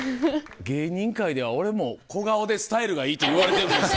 芸人界では俺も小顔でスタイルがいいといわれてるんです。